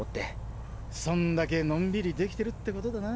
そんだけノンビリできてるってことだな。